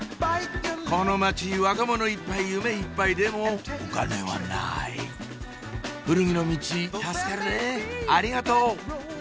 この街若者いっぱい夢いっぱいでもお金はない古着のミチ助かるねありがとう！